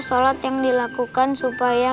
sholat yang dilakukan supaya